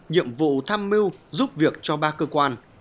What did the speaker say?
nhiệm vụ tham mưu giúp việc cho ba cơ quan